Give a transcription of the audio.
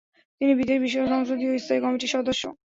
তিনি বিদেশ বিষয়ক সংসদীয় স্থায়ী কমিটির সদস্য।